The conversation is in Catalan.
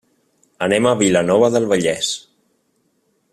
Anem a Vilanova del Vallès.